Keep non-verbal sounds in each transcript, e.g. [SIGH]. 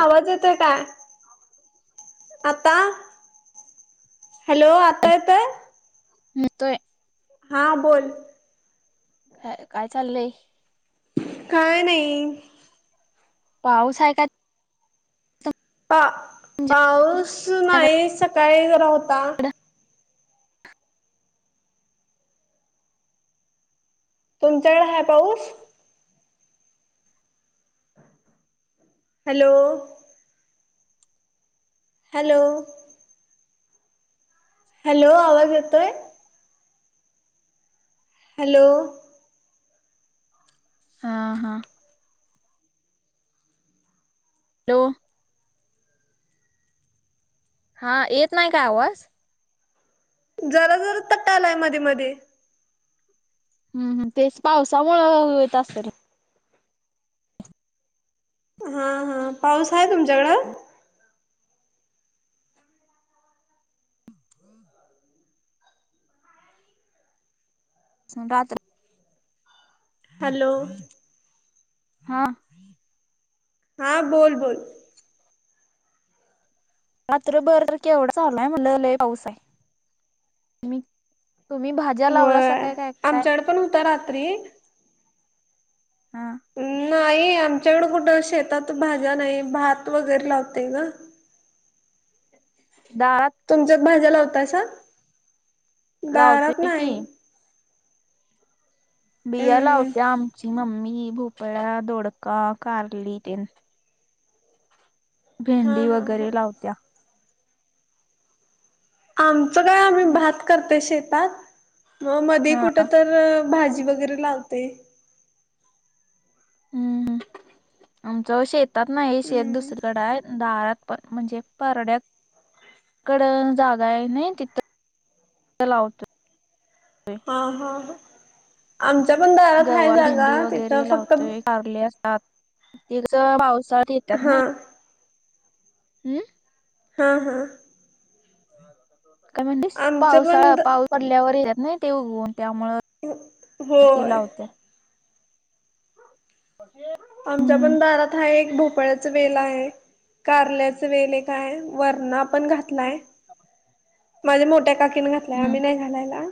आवाज येतोय काय? आता? हॅलो आता येतोय? येतोय. हा, बोल. काय, काय चाललंय? काय नाई. पाऊस हाय काय पा, तुमच्याकडे? पाऊस नाई सकाळी जरा होता. तुमच्याकडे हाय पाऊस? हॅलो. हॅलो. हॅलो, आवाज येतोय? हॅलो. हा, हां. तो हां, येत नाही काय आवाज? जरा जरा, तटालाय मध्ये मध्ये. हम्म, हम्म तेच पावसामुळं हुईत असंल. हा हा, पाऊस हाय तुमच्याकडं? सं राातऽऽ [UNINTELLIGIBLE] हॅलो हां, हां, बोल, बोल. रात्रभरारख एवढं चालाय म्हणलं पाऊस आहे मी. तुम्ही भाज्या लावला स होय काय काय काय आमच्याकडे पण होता रात्री हा हम् नाही आमच्याकडं कुठं शेतात भाज्या नाही भात वगैरे लावते ग दारात तुमच्या भाज्या लावतास बारात लावतोय की नाही. बिया हम्म. लावत्या आमची मम्मी भोपळा दोडका कारली तन हा भेंडी हा हा. वगैरे लावत्या. आमचं काय आम्ही भात करतोय शेतात मग मधी हा कुठ तर भाजी वगैरे लावते. हम्म ह आमचं शेतात नाही शेत हम्म. दुसरीकडे आहे. दारात पण म्हणजे परड्यात कड जागा आहे ना तिथ चलाउत. हा हा आमच्या पण दारात आहे गवारी जागा तिथं फक्त तिच पावसाळ येतात हा ना. हम्म. हा हा. काय म्हणतेस आमचं पावसाळा पण पाऊस पडल्यावर येतात ना ते उघन त्यामु त होय. लावते. आमच्या हम्म पण दारात हा एक भ पपळ्याच वेल आहे, कारल्याचं वेल आहे, काय वरण आपण घातलाय. [INAUDIBLE] माझ्या मोठ्या काकीने घातल्याय आम्ही हम्म नाही घालायला.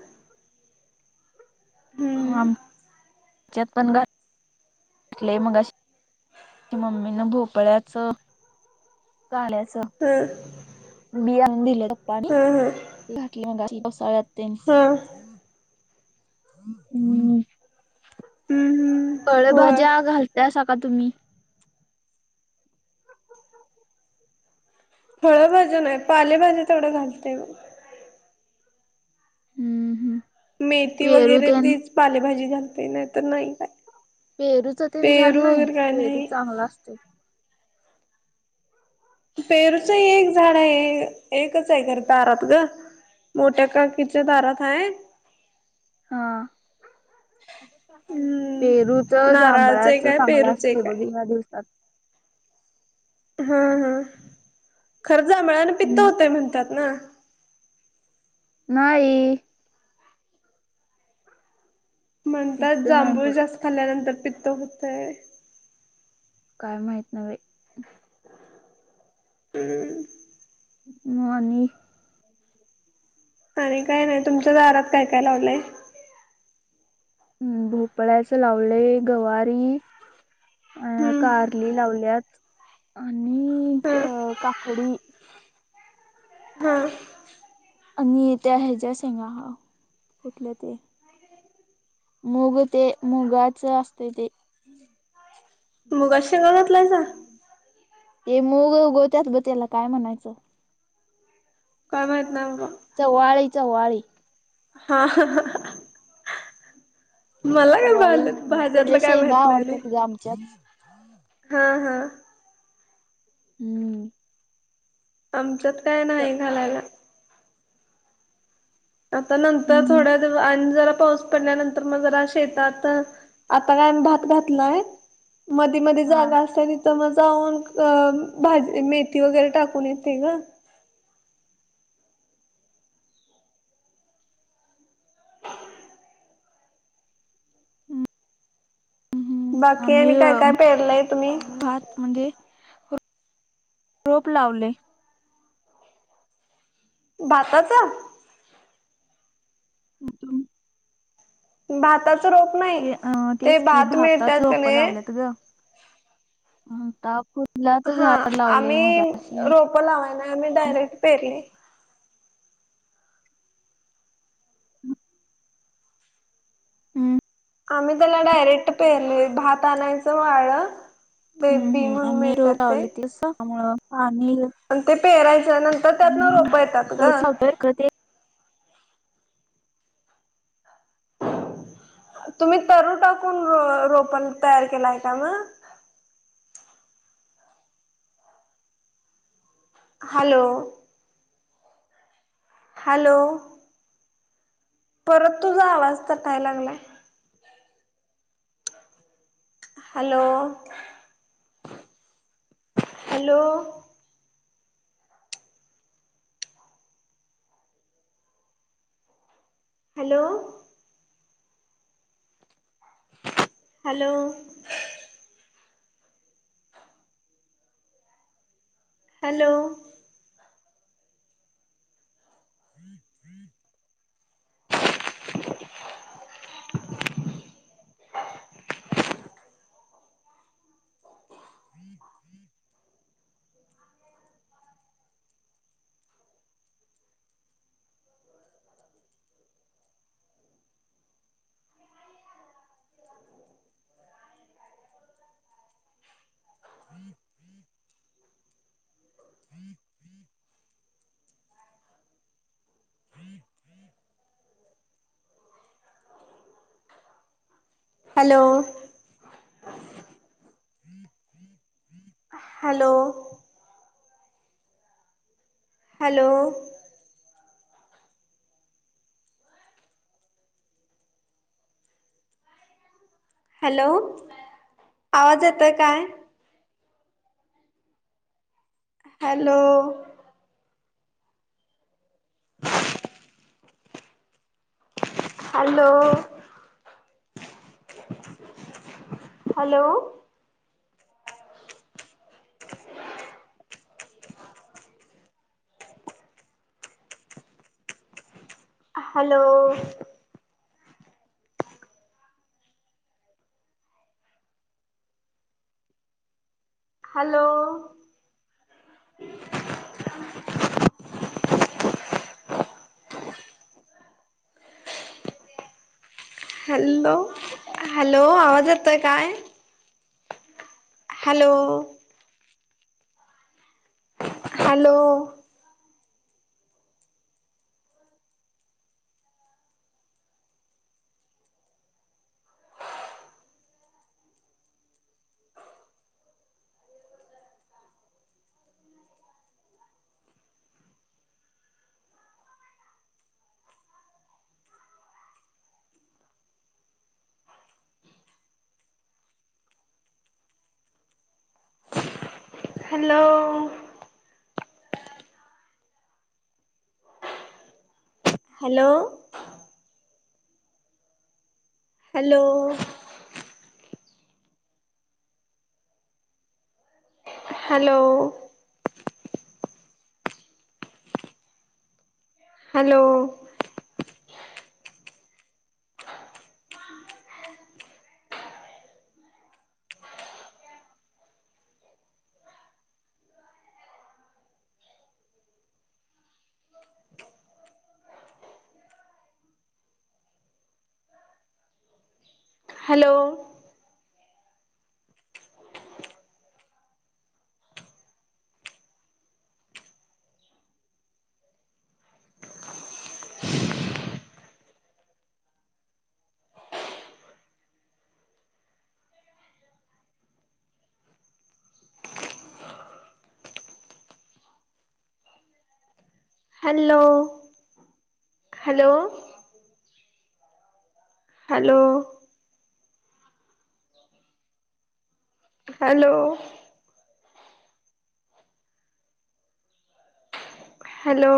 हम्म चोतपन गण कले मग अ मम्मीन भोपळ्याच ल्याच ह. बि आण आणून दिलंप्पा हा हा मा [UNINTELLIGIBLE] पासाळ्या तीन हा हम्म हम्म फळ होय भाज्या घालत अस का तुम्ही फळभज्या नाही, पालेभाजी तेवढ घालते ग हम्म हम्म मेथी पेरू वगैरे तेन तेच पालेभाजी घालते नाही तर नाही काय पेरूच तेन झाड पेरू नाही वगैरे काय पेरू नाही. चांगला असते. पेरूच एक झाड आहे एकच आहे खर एकच आहे दरात ग मोठ्या काकाच्या दरात आहे. हा. हम्म पेरूच नारळाचं एक जांभळाच आहे चांगलं पेरूचं असते एक आहे. बघ या दिवसात हा हा खरं जांभळणे पित्त हम्म. होतंय म्हणतात ना नाही. म्हणतात पित्त नाही जांभूळ होत जास्त खाल्ल्यानंतर पित्त होतय. काय माहित नाही बाई हम्म. नाही. आणि काय नाही तुमच्या दारात काय काय लावलंय. हम्म भोपळ्याच लावले गवारी अ हम्म कारली लावल्यात आणि हम्म अ काकडी हा आणि त्या ह्याच्या शेंगा कुठले ते मुग ते मुगाच असते ते. मुगाच्या अच्छा शेंगा घातलायसा ते मूग उगवत्यात ब त्याला काय म्हणायचं कोयम येत नाही सवारी हा मला काय चवाळी म्हलं घातल्या भाज्यातला त्याच्या काय शेंगा माहत नाही र आवडतात ग आमच्यात. हा हा हम्म आमच्यात काय च नाही घालायला आता नंतर हम्म थोड्या दिव ज पाऊस पडल्यानंतर मग जरा शेतात आता काय भात घातलाय मधी मध्ये हा जागा असत ति मजऊन भाजी मेथी वगैरे टाकून येते ग ह् हम्म बाकी आम्ही आणि काय काय पेरलंय तुम्ही भात म्हणजे [UNINTELLIGIBLE] रोप लावले भाताचा मदम भातात ते अ तेच की भाताचा का वापर नाही लावलात गता हा आम्ही रोपं लावाय नाही आम्ही डायरेक्ट पेरले हम् हम्म आम्ही त्याला डायरेक्ट पेरलोय भात आणायचं वाळ हम्म हम् आणि मी रो पावली तमु पेहरायच्या नंतर त्यातन रोप येतात ग तसं सगळं इकडं ते ह तुम्ही तरु टाकून रोपण तयार केला आहे का मग हॅलो हॅलो परत तुझा आवाज तरठाय लागलाय hello hello hello hello hello हम्म हम्म ह् ह ह हॅलो हॅलो हॅलो हॅलो आवाज येतोय काय hello hello hello hello! Hello! Hello hello आवाज येतोय काय? Hello! Hello! Hello!. Hello! Hello! Hello! Hello! Hello!. Hello hello! Hello! Hello! Hello!